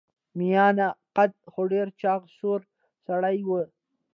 میانه قده خو ډیر چاغ سور سړی و.